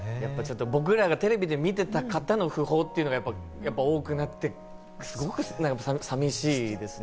僕らがテレビで見てた方の訃報っていうのはやっぱり多くなってきて、寂しいですね。